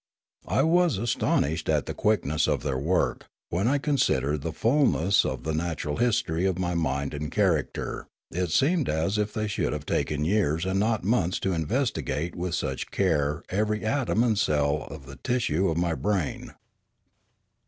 I was astonished at the quickness of their work, when I considered the fulness of the natural history of my mind aud character; it seemed as if they should have taken years and not months to investigate with such care every atom and cell of the tissue of my brain.